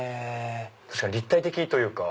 確かに立体的というか。